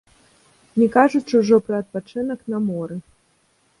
Не кажучы ўжо пра адпачынак на моры.